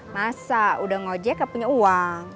masa udah ngojek gak punya uang